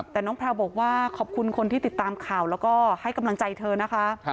แต่น้องแพลวบอกว่าขอบคุณคนที่ติดตามข่าวแล้วก็ให้กำลังใจเธอนะคะ